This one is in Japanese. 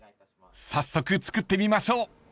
［早速作ってみましょう］